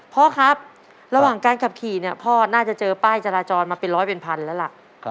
พ่อครับระหว่างการขับขี่เนี่ยพ่อน่าจะเจอป้ายจราจรมาเป็นร้อยเป็นพันแล้วล่ะ